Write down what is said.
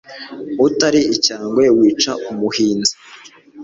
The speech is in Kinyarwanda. Utari icyangwe Wica umuhinza